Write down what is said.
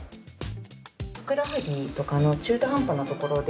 ふくらはぎとかの中途半端なところで